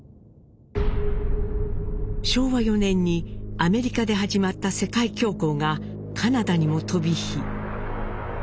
昭和４年にアメリカで始まった世界恐慌がカナダにも飛び火。